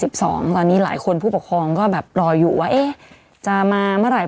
ตอนนี้หลายคนผู้ปกครองก็แบบรออยู่ว่าเอ๊ะจะมาเมื่อไหร่